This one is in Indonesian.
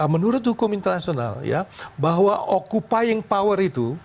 menurut hukum internasional ya bahwa occupying power itu